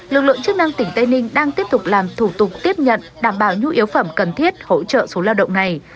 lực lượng chức năng tỉnh tây ninh đang tiếp tục làm thủ tục tiếp nhận đảm bảo nhu yếu phẩm cần thiết hỗ trợ số lao động này